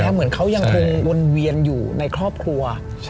เหมือนเขายังคงวนเวียนอยู่ในครอบครัว